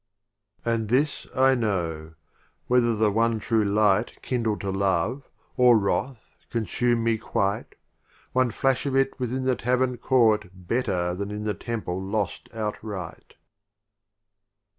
LXXVII. And this I know : whether the one True Light Kindle to Love, or Wrath consume me quite, One Flash of It within the Tav ern caught Better than in the Temple lost out right.